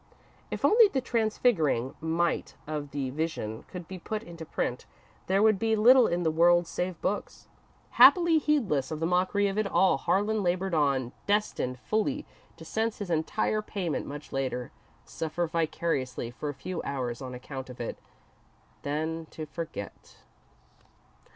If only the transfiguring might of the Vision could be put into print, there would be little in the world save books. Happily heedless of the mockery of it all, Harlan laboured on, destined fully to sense his entire payment much later, suffer vicariously for a few hours on account of it, then to forget.